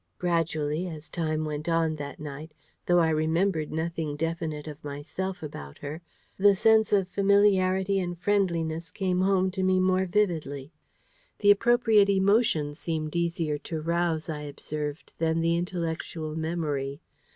Gradually, as time went on that night, though I remembered nothing definite of myself about her, the sense of familiarity and friendliness came home to me more vividly. The appropriate emotion seemed easier to rouse, I observed, than the intellectual memory.